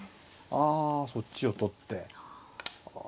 あそっちを取って。